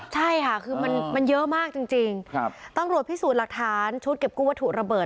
ใช่ค่ะคือมันเยอะมากจริงครับตำรวจพิสูจน์หลักฐานชุดเก็บกู้วัตถุระเบิด